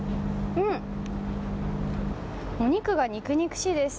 お肉が肉肉しいです。